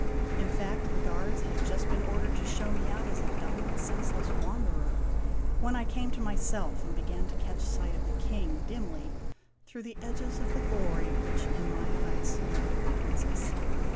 In fact, the guards had just been ordered to show me out as a dumb and senseless wanderer, when I came to myself, and began to catch sight of the King dimly through the edges of the glory which in my eyes surrounded the Princess.